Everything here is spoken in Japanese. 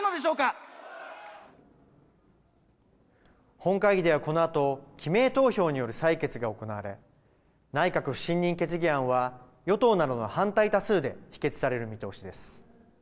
本会議ではこのあと記名投票による採決が行われ内閣不信任決議案は与党などの反対多数で否決される見通しです。